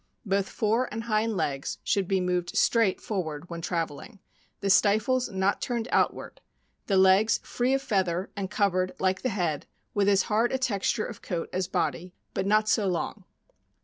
Both fore and hind legs should be moved straight forward when traveling, the stifles not turned outward, the legs free of feather, and covered, like the head, with as hard a texture of coat as body, but not so loni.